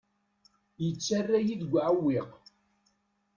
Yettarra-yi deg uɛewwiq.